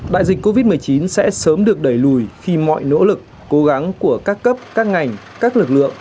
đại dịch covid một mươi chín sẽ sớm được đẩy lùi khi mọi nỗ lực cố gắng của các cấp các ngành các lực lượng